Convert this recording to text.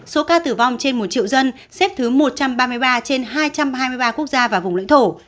số ca tử vong trên một triệu dân xếp thứ một trăm ba mươi ba trên hai trăm hai mươi ba quốc gia và vùng lãnh thổ